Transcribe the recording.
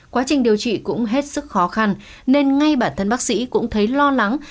quá trình điều trị cũng hết sức khó khăn nên ngay bản thân bác sĩ cũng thấy lo lắng